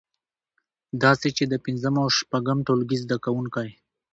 داسې چې د پنځم او شپږم ټولګي زده کوونکی